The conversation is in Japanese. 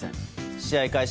試合開始